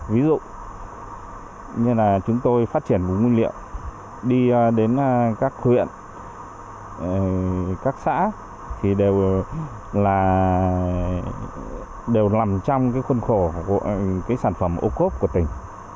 ví dụ như là chúng tôi phát triển vùng nguyên liệu đi đến các huyện các xã thì đều làm trong khuôn khổ sản phẩm ô cóp của tỉnh